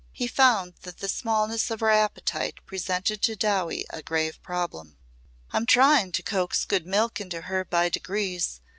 He found that the smallness of her appetite presented to Dowie a grave problem. "I'm trying to coax good milk into her by degrees.